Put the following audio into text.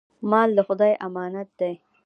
مال د خدای امانت دی.